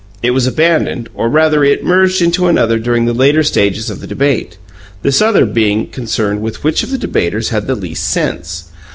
It was abandoned, or rather, it merged into another during the later stages of the debate, this other being concerned with which of the debaters had the least "sense."